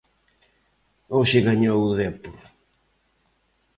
Hoxe gañou o Dépor.